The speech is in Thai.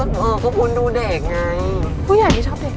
ภาพว่าคุณดูเด็กไง